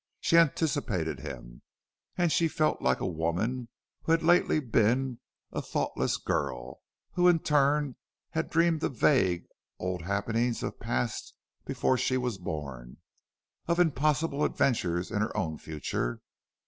She anticipated him. And she felt like a woman who had lately been a thoughtless girl, who, in turn, had dreamed of vague old happenings of a past before she was born, of impossible adventures in her own future.